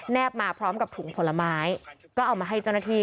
บมาพร้อมกับถุงผลไม้ก็เอามาให้เจ้าหน้าที่